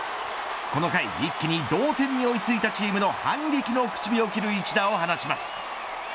この回一気に同点に追いついたチームの、反撃の口火を切る一打を放ちます。